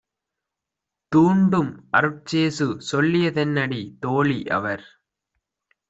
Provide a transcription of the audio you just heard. தூண்டும் அருட்சேசு சொல்லிய தென்னடி? தோழி - அவர்